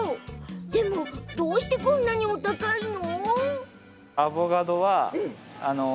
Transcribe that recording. でも、どうしてこんなにお高いの？